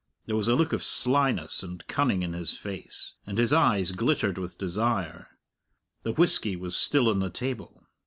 There was a look of slyness and cunning in his face, and his eyes glittered with desire. The whisky was still on the table.